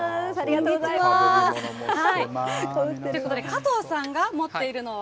加藤さんが持っているのは。